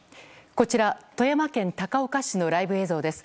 こちら、富山県高岡市のライブ映像です。